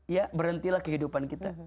ya berhentilah kehidupan kita